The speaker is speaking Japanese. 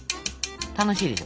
楽しいでしょ？